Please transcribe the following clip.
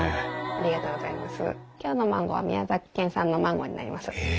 ありがとうございます。